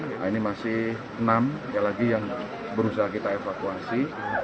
nah ini masih enam ya lagi yang berusaha kita evakuasi